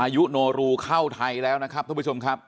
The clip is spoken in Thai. ยุโนรูเข้าไทยแล้วนะครับท่านผู้ชมครับ